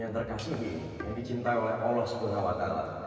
yang terkasuhi yang dicintai oleh allah swt